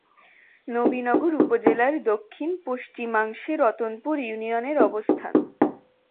নবীনগর উপজেলার দক্ষিণ-পশ্চিমাংশে রতনপুর ইউনিয়নের অবস্থান।